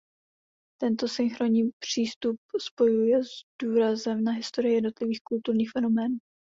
Tento synchronní přístup spojuje s důrazem na historii jednotlivých kulturních fenoménů.